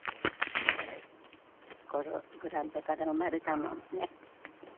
このグラウンドから生まれたもんね。